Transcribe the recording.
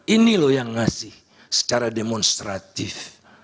ini loh yang ngasih secara demonstratif